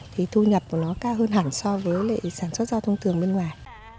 thì thu nhập của nó cao hơn hẳn so với lệ sản xuất rau thông thường bên ngoài